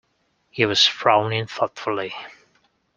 He was frowning thoughtfully.